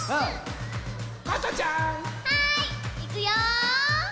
はいいくよ。